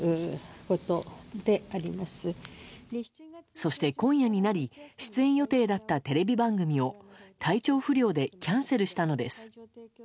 そして今夜になり出演予定だったテレビ番組を体調不良でキャンセルしたのです。